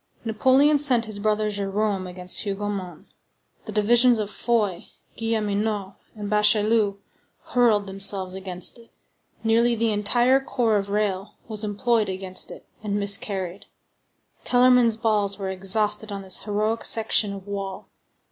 Napoleon sent his brother Jérôme against Hougomont; the divisions of Foy, Guilleminot, and Bachelu hurled themselves against it; nearly the entire corps of Reille was employed against it, and miscarried; Kellermann's balls were exhausted on this heroic section of wall.